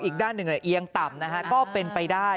อีกด้านในเองต่ำก็เป็นไปได้